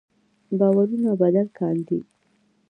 باورونه بدل کاندي.